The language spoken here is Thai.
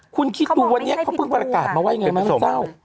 คุณคิดดูวันนี้เค้าเพิ่งประกาศมาไว้อย่างไรนะเจ้า